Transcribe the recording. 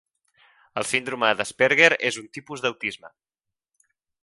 El síndrome d'Asperger és un tipus d'autisme.